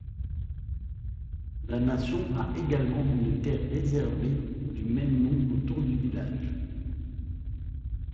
La nation a également une terre réservée du même nom de autour du village.